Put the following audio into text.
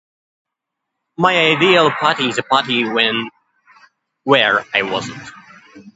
My ideal party is a party when... where I wasn't.